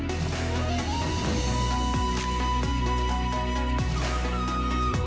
indonesia tanah airku